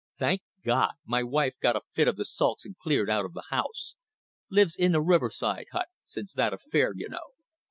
Thank God! my wife got a fit of the sulks and cleared out of the house. Lives in a riverside hut since that affair you know.